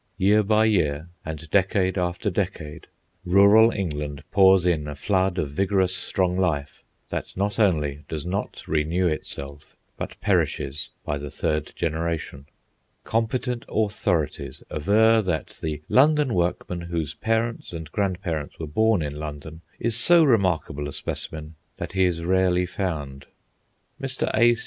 Year by year, and decade after decade, rural England pours in a flood of vigorous strong life, that not only does not renew itself, but perishes by the third generation. Competent authorities aver that the London workman whose parents and grand parents were born in London is so remarkable a specimen that he is rarely found. Mr. A.